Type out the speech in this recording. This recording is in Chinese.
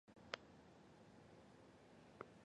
冰河中的冰混合有尘土和岩石。